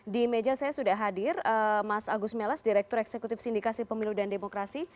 di meja saya sudah hadir mas agus melas direktur eksekutif sindikasi pemilu dan demokrasi